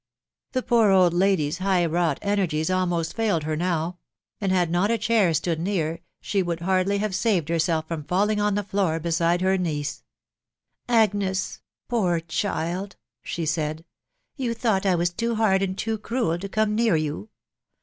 The poor old lady's high wrought energies almost failed her now ; and had not a chair stood near, she would hardly have saved herself from falling on the floor beside her niece. <f Agnes !.... poor child !" she said, ft you, thought I was too hard and too cruel to come near you